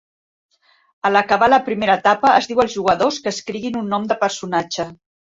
Al acabar la primera etapa es diu als jugadors que escriguin un nom de personatge.